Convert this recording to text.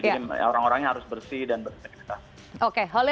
jadi orang orangnya harus bersih dan berintegritas